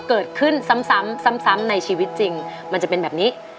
เกิดขึ้นซ้ำซ้ำในชีวิตจริงมันจะเป็นแบบนี้